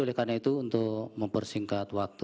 oleh karena itu untuk mempersingkat waktu